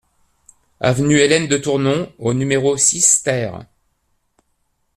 Avenue Hélène de Tournon au numéro six TER